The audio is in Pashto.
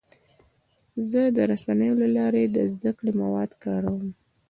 زه د رسنیو له لارې د زده کړې مواد کاروم.